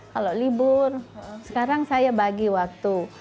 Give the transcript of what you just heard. kalau libur sekarang saya bagi waktu